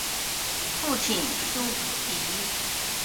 父亲苏玭。